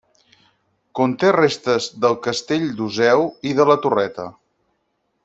Conté restes del Castell d'Useu i de la Torreta.